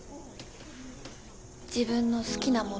自分の好きなもの。